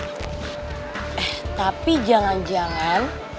eh tapi jangan jangan